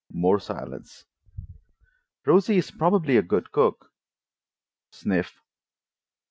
More silence. "Rosie is probably a good cook." Sniff.